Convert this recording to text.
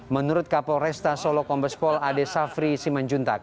menurut kapolresta solo kombespol ade safri simanjuntak